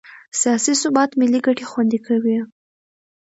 سیاسي ثبات ملي ګټې خوندي کوي